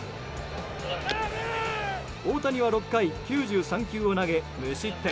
大谷は６回９３球を投げ無失点。